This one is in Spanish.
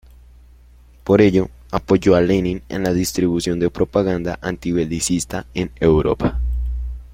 Por ello, apoyó a Lenin en la distribución de propaganda antibelicista en Europa.